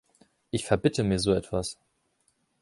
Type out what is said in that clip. Ich verbitte mir so etwas!